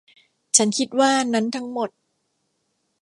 ฉันคิดว่านั้นทั้งหมด